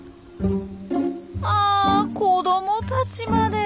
あ子どもたちまで。